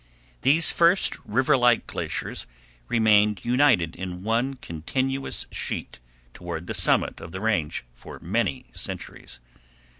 These first river like glaciers remained united in one continuous sheet toward the summit of the Range for many centuries.